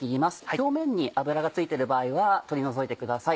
表面に脂が付いてる場合は取り除いてください。